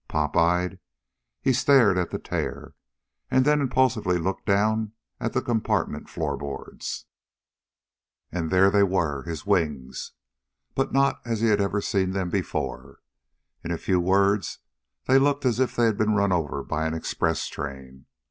Pop eyed, he stared at the tear, and then impulsively looked down at the compartment floor boards. And there they were. His wings. But not as he'd ever seen them before. In a few words, they looked as if they had been run over by an express train.